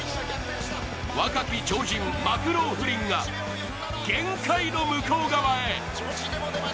若き超人、マクローフリンが限界の向こう側へ。